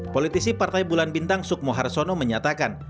politisi partai bulan bintang sukmoharsono menyatakan